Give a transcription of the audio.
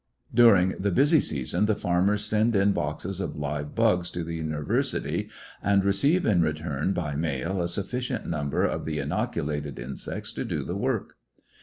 During the busy season the farmers send in boxes of live bugs to the university, and receive in return, by mail, a sufficient number of the inoculated in sects to do the work.